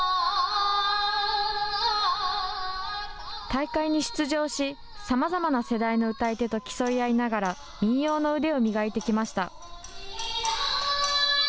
大会に出場し、さまざまな世代の歌い手と競い合いながら、民謡の腕を磨いてきました。